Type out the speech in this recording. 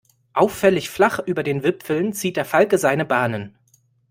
Auffällig flach über den Wipfeln zieht der Falke seine Bahnen.